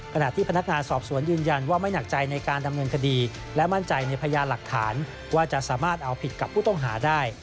ขณะที่พนักงานสอบสวนยืนยันว่าไม่หนักใจในการดำเนินคดีและมั่นใจในพยานหลักฐานว่าจะสามารถเอาผิดกับผู้ต้องหาได้